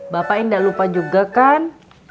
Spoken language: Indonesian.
bapak indah lupa juga kan